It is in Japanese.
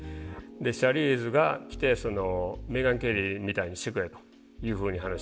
シャーリーズが来てメーガン・ケリーみたいにしてくれというふうに話が来て。